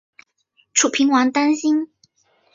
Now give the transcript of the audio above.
楚平王担心。